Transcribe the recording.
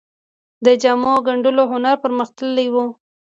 د جامو ګنډلو هنر پرمختللی و